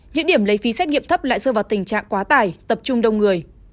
những điểm lấy phí xét nghiệm thấp lại rơi vào tình trạng quá tải tập trung đông người